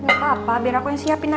enggak apa apa biar aku yang siapin aja